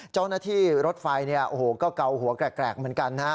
เจ้าหน้าที่รถไฟก็เกาหัวกแกรกเหมือนกัน